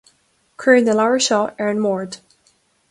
Cuir na leabhair seo ar an mbord